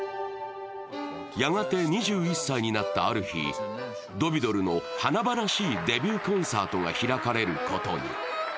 やがて２１歳になったある日、ドヴィドルの華々しいデビューコンサートが開かれることに。